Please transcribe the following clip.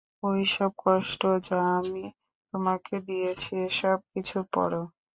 ঐ সব কষ্ট যা আমি তোমাকে দিয়েছি, এসব কিছুর পরেও।